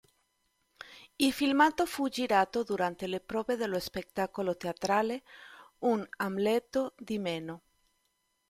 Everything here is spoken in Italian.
Il filmato fu girato durante le prove dello spettacolo teatrale "Un Amleto di meno".